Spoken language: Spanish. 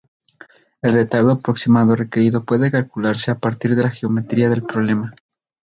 El retardo aproximado requerido puede calcularse a partir de la geometría del problema.